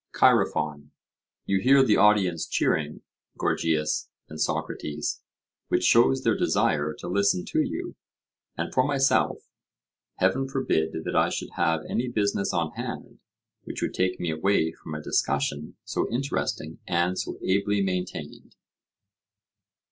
CHAEREPHON: You hear the audience cheering, Gorgias and Socrates, which shows their desire to listen to you; and for myself, Heaven forbid that I should have any business on hand which would take me away from a discussion so interesting and so ably maintained.